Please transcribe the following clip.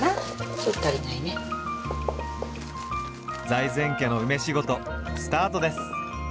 財前家の梅仕事スタートです。